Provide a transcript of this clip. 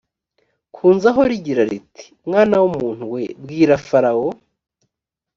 kunzaho rigira riti mwana w umuntu we bwira farawo